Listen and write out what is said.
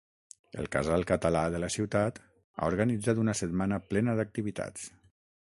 El casal català de la ciutat ha organitzat una setmana plena d’activitats.